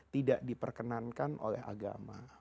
tidak diperkenankan oleh agama